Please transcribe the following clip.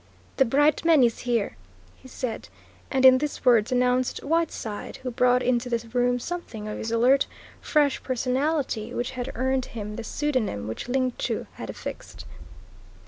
"The Bright Man is here," he said, and in these words announced Whiteside, who brought into the room something of his alert, fresh personality which had earned him the pseudonym which Ling Chu had affixed.